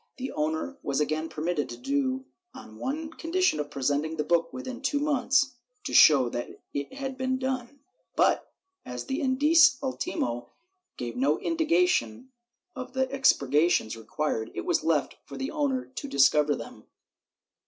* Then, in 1790, the owner was again permitted to do it on condition of presenting the book within two months to show that it had been done, but, as the Indice Ultimo gave no indication of the expur gations required, it was left for the owner to discover them.